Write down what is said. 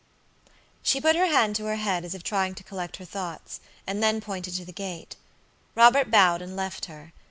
She put her hand to her head as if trying to collect her thoughts, and then pointed to the gate. Robert bowed and left her.